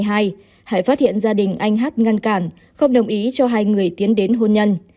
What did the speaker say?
hải phát hiện gia đình anh hát ngăn cản không đồng ý cho hai người tiến đến hôn nhân